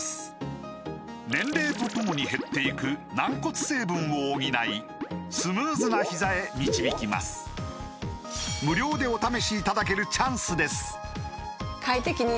年齢とともに減っていく軟骨成分を補いスムーズなひざへ導きます無料でお試しいただけるチャンスです